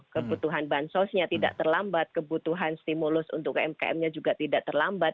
kebutuhan bansosnya tidak terlambat kebutuhan stimulus untuk umkm nya juga tidak terlambat